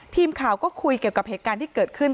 ทีมข่าวก็คุยเกี่ยวกับเหตุการณ์ที่เกิดขึ้น